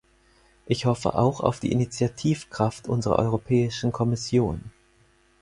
Ich hoffe auch auf die Initiativkraft unserer Europäischen Kommission.